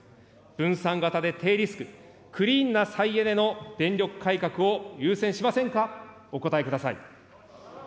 分散型で低リスク、クリーンな再エネの電力改革を優先しませんか、お答えください。